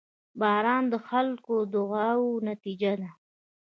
• باران د خلکو د دعاوو نتیجه ده.